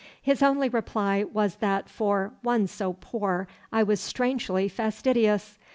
His only reply was that for one so poor I was strangely fastidious.